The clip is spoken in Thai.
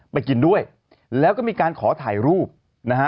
ไปกินด้วยแล้วก็มีการขอถ่ายรูปนะฮะ